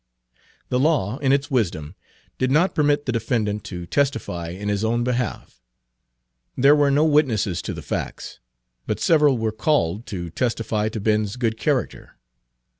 The law in its wisdom did not permit the defendant to testify in his own behalf. There Page 303 were no witnesses to the facts, but several were called to testify to Ben's good character.